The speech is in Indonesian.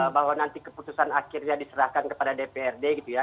bahwa nanti keputusan akhirnya diserahkan kepada dprd gitu ya